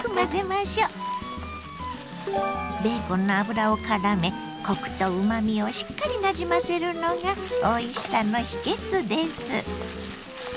ベーコンの脂をからめコクとうまみをしっかりなじませるのがおいしさの秘けつです！